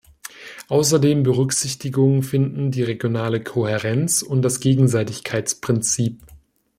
Außerdem Berücksichtigung finden die regionale Kohärenz und das Gegenseitigkeitsprinzip.